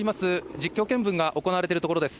実況見分が行われているところです。